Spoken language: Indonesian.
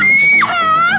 banyak aku masa